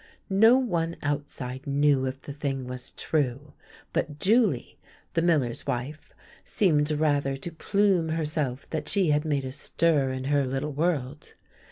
No one outside knew if the thing was true, but Julie, the miller's wife, seemed rather to plume herself that she had made a stir in her little world.